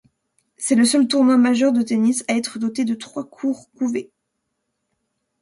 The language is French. C'est le seul tournoi majeur de tennis à être doté de trois courts couverts.